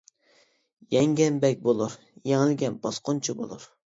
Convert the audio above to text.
يەڭگەن بەگ بولۇر، يېڭىلگەن باسقۇنچى بولۇر.